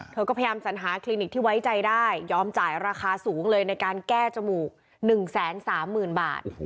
เธอก็พยายามสัญหาคลินิกที่ไว้ใจได้ยอมจ่ายราคาสูงเลยในการแก้จมูก๑๓๐๐๐บาท